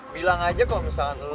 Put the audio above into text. bilang aja kalau misalnya